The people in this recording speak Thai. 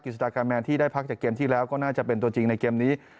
สตากาแมนที่ได้พักจากเกมที่แล้วก็น่าจะเป็นตัวจริงในเกมนี้